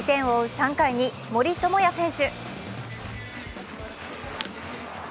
３回に森友哉選手。